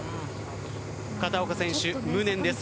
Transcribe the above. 片岡選手、無念です。